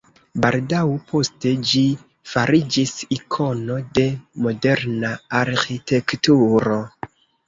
Baldaŭ poste ĝi fariĝis ikono de moderna arĥitekturo.